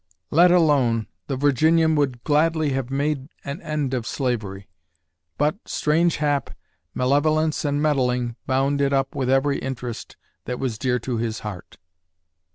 Let alone, the Virginian would gladly have made an end of slavery, but, strange hap, malevolence and meddling bound it up with every interest that was dear to his heart.